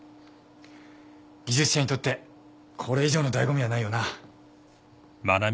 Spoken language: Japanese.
技術者にとってこれ以上の醍醐味はないよな。